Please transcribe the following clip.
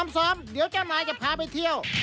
ซ้อมเดี๋ยวเจ้านายจะพาไปเที่ยว